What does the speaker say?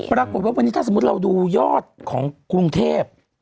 ปรากฏว่าวันนี้ถ้าสมมุติเราดูยอดของกรุงเทพ